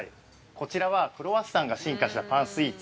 こちらはクロワッサンが進化したパンスイーツ。